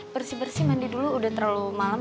bersih bersih mandi dulu udah terlalu malam